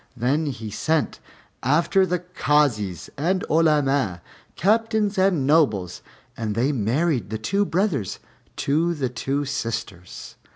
Then he sent after the Kazis and Olema, Captains and Notables, and they married the two brothers to the two sisters.